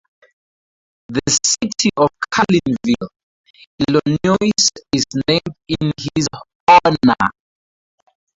The city of Carlinville, Illinois is named in his honor.